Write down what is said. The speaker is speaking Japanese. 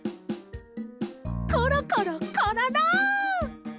コロコロコロロ！